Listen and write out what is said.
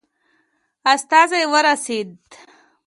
استازی ورسېدی.